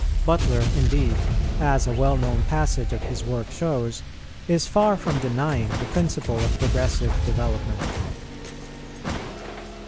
Butler, indeed, as a well known passage of his work shows, is far from denying the principle of progressive development.